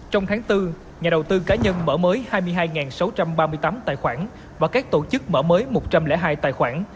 trong tháng bốn nhà đầu tư cá nhân mở mới hai mươi hai sáu trăm ba mươi tám tài khoản và các tổ chức mở mới một trăm linh hai tài khoản